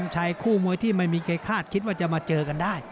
ชัยคู่มวยที่ไม่มีใครคาดคิดว่าจะมาเจอกันได้